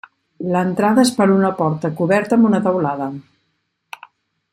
L’entrada és per una porta coberta amb una teulada.